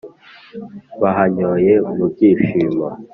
bahanyoye mu byishimo.